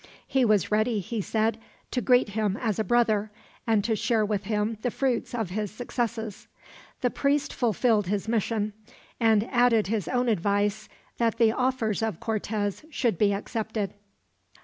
He was ready, he said, to greet him as a brother, and to share with him the fruits of his successes. The priest fulfilled his mission, and added his own advice that the offers of Cortez should be accepted.